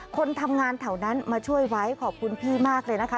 คนทำงานแถวนั้นมาช่วยไว้ขอบคุณพี่มากเลยนะคะ